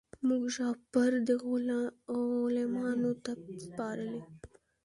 موږ شهپر دی غلیمانو ته سپارلی